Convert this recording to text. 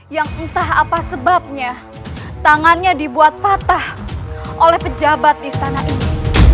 yang entah apa sebabnya tangannya dibuat patah oleh pejabat istana ini